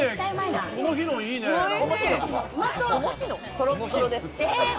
とろっとろです。